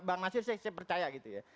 bang nasir saya percaya gitu ya